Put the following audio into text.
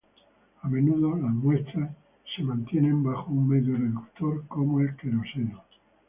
A menudo, las muestras son mantenidas bajo un medio reductor como el queroseno.